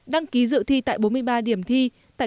đăng ký dự thi tại bốn mươi ba điểm thi tại